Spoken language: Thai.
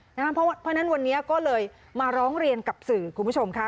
เพราะฉะนั้นวันนี้ก็เลยมาร้องเรียนกับสื่อคุณผู้ชมค่ะ